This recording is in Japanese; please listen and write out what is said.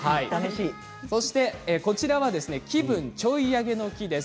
そしてこちらは気分ちょいアゲの木です。